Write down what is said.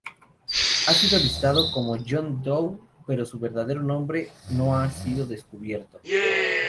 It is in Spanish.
Ha sido listado como "John Doe" pero su verdadero nombre no ha sido descubierto.